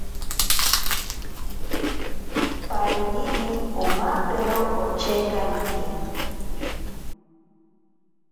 Parinini omapero ochenkariki.